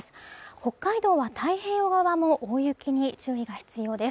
北海道は太平洋側も大雪に注意が必要です